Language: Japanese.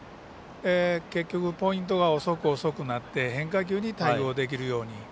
結局、ポイントが遅くなって変化球に対応できるように。